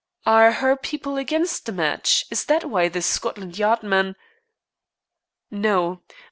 "Are her people against the match? Is that why this Scotland Yard man ?" "No.